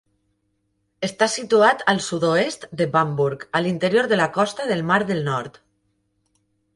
Està situat al sud-oest de Bamburgh, a l'interior de la costa del mar del Nord.